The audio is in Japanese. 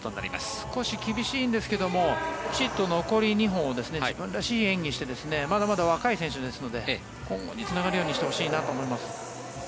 少し厳しいですがしっかり残りの２本を自分らしい演技をしてまだまだ若い選手ですので今後につながるようにしてほしいなと思います。